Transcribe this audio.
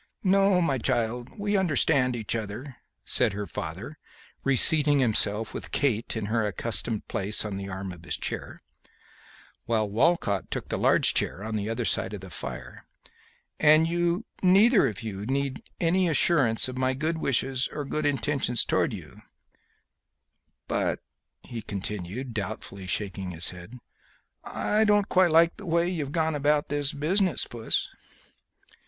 "No, child, we understand each other," said her father, reseating himself, with Kate in her accustomed place on the arm of his chair, while Walcott took the large chair on the other side of the fire; "and you neither of you need any assurance of my good wishes or good intentions towards you; but," he continued, doubtfully, shaking his head, "I don't quite like the way you've gone about this business, Puss."